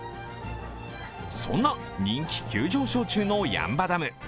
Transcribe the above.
そんな人気急上昇中の八ッ場ダム。